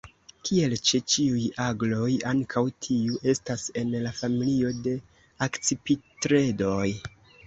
Kiel ĉe ĉiuj agloj, ankaŭ tiu estas en la familio de Akcipitredoj.